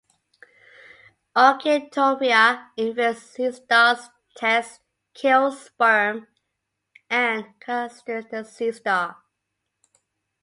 Orchitophrya invades seastars' testes, kills sperm, and castrates the seastar.